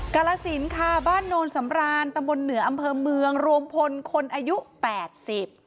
กาลสินค่ะบ้านโนนสำรานตำบลเหนืออำเภอเมืองรวมพลคนอายุแปดสิบ